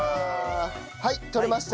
はい取れました。